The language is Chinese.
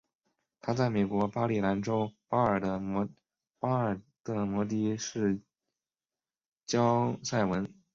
她在美国马里兰州巴尔的摩的市郊塞文。